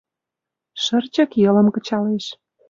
Шырчык йылым кычалеш.